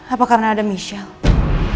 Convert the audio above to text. apa karena ada michelle